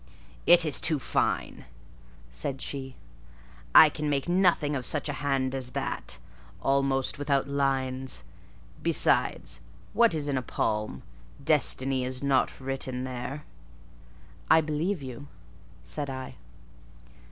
"It is too fine," said she. "I can make nothing of such a hand as that; almost without lines: besides, what is in a palm? Destiny is not written there." "I believe you," said I.